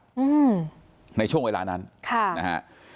อืมในช่วงเวลานั้นค่ะนะฮะ